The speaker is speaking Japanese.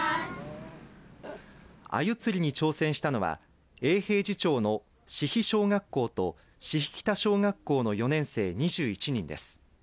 アユ釣りに挑戦したのは永平寺町の志比小学校と志比北小学校の４年生２１人です。